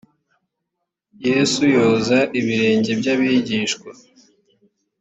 yesu yoza ibirenge by abigishwa